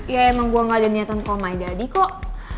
ya emang gue gak ada niatan call my daddy kok